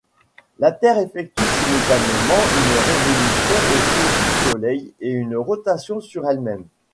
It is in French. La terre effectue simultanément une révolution autour du soleil et une rotation sur elle-même.